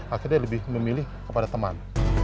akhirnya lebih memilih kepada teman